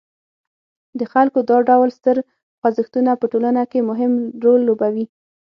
د خلکو دا ډول ستر خوځښتونه په ټولنه کې مهم رول لوبوي.